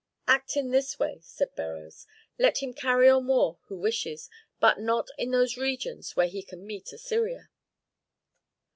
"Act in this way," said Beroes, "let him carry on war who wishes, but not in those regions where he can meet Assyria."